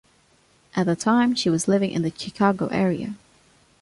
At the time, she was living in the Chicago area.